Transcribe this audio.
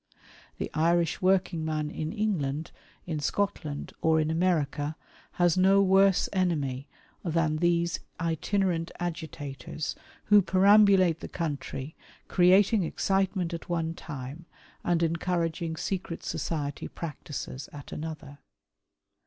The Irish working man in England, in Scotland, or in America, has no worse enemy than these itinerant agitators who perambulate the country, creating excitement at one time, and encouraging secret society practices at another.